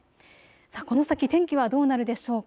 この先天気はどうなるでしょうか。